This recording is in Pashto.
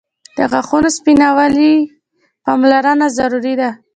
• د غاښونو د سپینوالي پاملرنه ضروري ده.